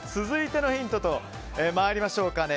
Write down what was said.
続いてのヒント参りましょう。